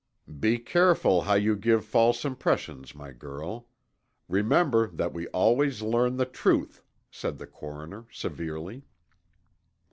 "Be careful how you give false impressions, my girl. Remember that we always learn the truth," said the coroner, severely.